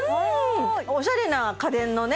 おしゃれな家電のね